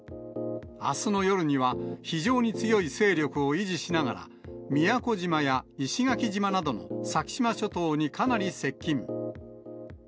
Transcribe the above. あすの夜には非常に強い勢力を維持しながら、宮古島や石垣島などの先島諸島にかなり接近。